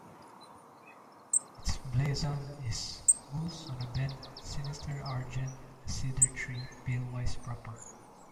Its blazon is "Gules on a Bend Sinister Argent a Cedar Tree palewise proper".